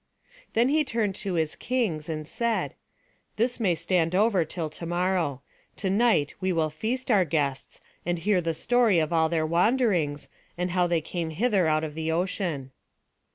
Then he turned to his kings, and said: "This may stand over till to morrow. To night we will feast our guests, and hear the story of all their wanderings, and how they came hither out of the ocean."